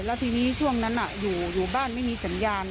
แล้วทีนี้ช่วงนั้นอยู่บ้านไม่มีสัญญาณ